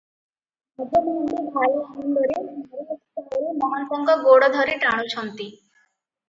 ମାଧ ମହାନ୍ତି ଭାରି ଆନନ୍ଦରେ, ଭାରି ଉତ୍ସାହରେ ମହନ୍ତଙ୍କ ଗୋଡ଼ ଧରି ଟାଣୁଛନ୍ତି ।